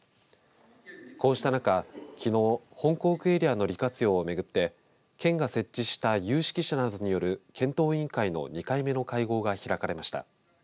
こうした中、きのう本港区エリアの利活用を巡って県が設置した有識者などによる検討委員会の２回目の会合が開かれました。